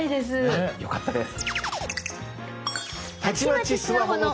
あっよかったです。